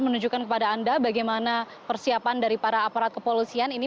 menunjukkan kepada anda bagaimana persiapan dari para aparat kepolisian ini